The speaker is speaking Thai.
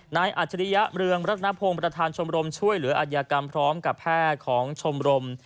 อัจฉริยะเมืองรัฐนพงศ์ประธานชมรมช่วยเหลืออัธยากรรมพร้อมกับแพทย์ของชมรม